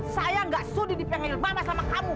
saya gak sudi dipengil mama sama kamu